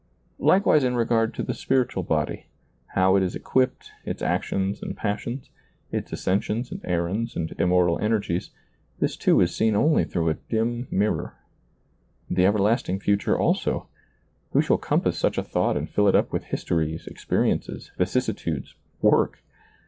Likewise in regard to the spiritual body — how it is equipped, its actions and passions, its ascensions and errands and immortal energies; this, too, is seen only through a dim mirror. The everlasting future also : who shall compass such a thought and fill it up with histories, experiences, vicissi tudes, work